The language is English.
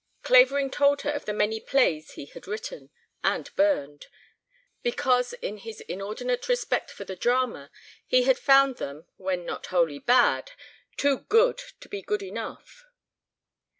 Clavering told her of the many plays he had written, and burned; because in his inordinate respect for the drama he had found them, when not wholly bad, too good to be good enough.